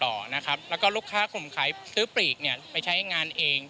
แล้วก็ลูกค้าข่มขายซื้อปลีกเนี่ยไปใช้งานเอง